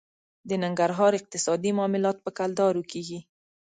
د ننګرهار اقتصادي معاملات په کلدارې کېږي.